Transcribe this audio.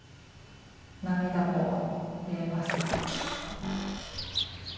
涙も見えます。